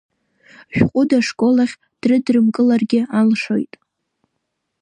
Шәҟәыда ашкол ахь дрыдрымкыларгьы алшоит.